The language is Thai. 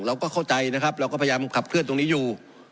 เราก็เข้าใจนะครับเราก็พยายามขับเคลื่อนตรงนี้อยู่